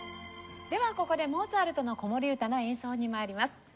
ではここで『モーツァルトの子守歌』の演奏に参ります。